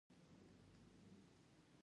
د افغانستان په منظره کې دښتې ښکاره ده.